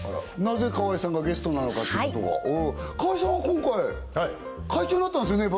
なぜ川合さんがゲストなのかってことが川合さんは今回会長になったんですよね